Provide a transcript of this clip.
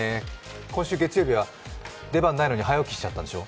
今週月曜日は出番ないのに早起きしちゃったんでしょ？